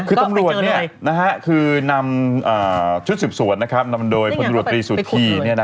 คือตำรวจนี่คือนำชุดสิบสวดนำโดยพนธุรกิจสุธิ